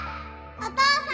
お父さん！